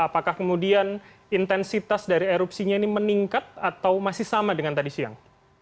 apakah kemudian intensitas dari erupsinya ini meningkat atau masih sama dengan tadi siang